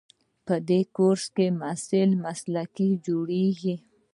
په دې کورسونو کې د محصل مسلک جوړیږي.